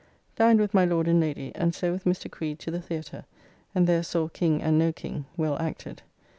Dined with my Lord and Lady, and so with Mr. Creed to the Theatre, and there saw "King and no King," well acted.